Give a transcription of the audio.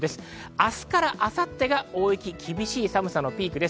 明日から明後日が大雪、厳しい寒さのピークです。